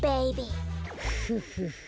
フフフ。